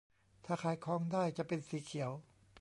ถ้าขายของได้จะเป็นสีเขียว